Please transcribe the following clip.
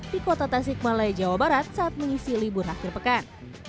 di kota tasik malaya jawa barat saat mengisi libur akhir pekan